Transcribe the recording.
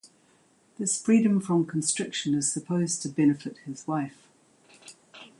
This freedom from constriction is supposed to benefit his wife.